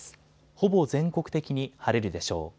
ほぼ全国的に晴れるでしょう。